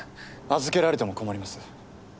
預けられても困ります。